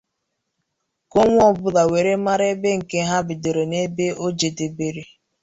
ka onwe ọbụla weere mara ebe nke ha bidoro na ebe o jedobere